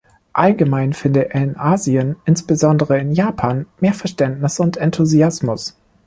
Allgemein finde er in Asien, insbesondere in Japan, mehr Verständnis und Enthusiasmus.